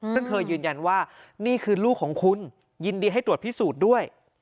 ซึ่งเธอยืนยันว่านี่คือลูกของคุณยินดีให้ตรวจพิสูจน์ด้วย